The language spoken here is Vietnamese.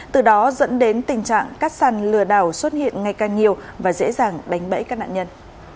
từ đó dẫn đến tình trạng cắt săn lừa đảo xuất hiện ngày càng nhiều và dễ dàng đánh bẫy các nạn nhân